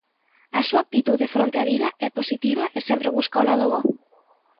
A súa actitude fronte á vida é positiva e sempre busca o lado bo.